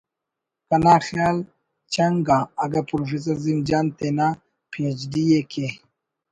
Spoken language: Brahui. کنا خیال چنگ آ …… اگہ پروفیسر عظیم جان تینا پی ایچ ڈی ءِ کے